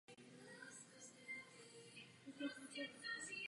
Na kontě má jeden start za slovenský národní tým.